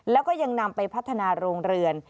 แล้วก็ยังนำไปพัฒนาโรงเรือน